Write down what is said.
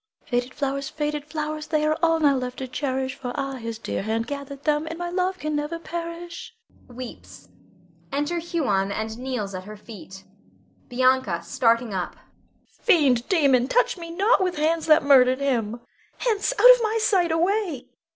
Faded flowers, faded flowers, They are all now left to cherish; For ah, his dear hand gathered them, And my love can never perish. [Weeps. [Enter Huon and kneels at her feet. Bianca [starting up]. Fiend! demon! touch me not with hands that murdered him! Hence! out of my sight, away!